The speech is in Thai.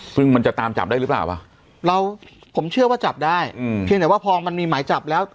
ซึ่งมันจะตามจับได้หรือเปล่าวะเราผมเชื่อว่าจับได้อืมเพียงแต่ว่าพอมันมีหมายจับแล้ว